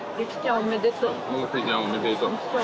おめでと。